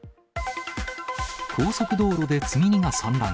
高速道路で積み荷が散乱。